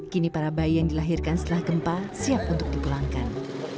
kini para bayi yang dilahirkan setelah gempa siap untuk dipulangkan